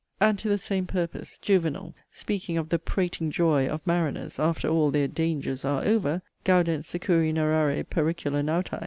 And, to the same purpose, 'Juvenal' speaking of the 'prating joy' of mariners, after all their 'dangers are over': 'Gaudent securi narrare pericula nautæ.'